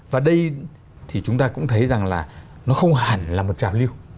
và đây thì chúng ta cũng thấy rằng là nó không hẳn là một trào lưu